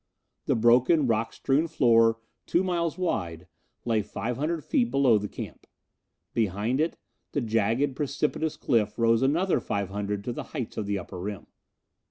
The broken, rock strewn floor, two miles wide, lay five hundred feet below the camp. Behind it, the jagged precipitous cliff rose another five hundred to the heights of the upper rim.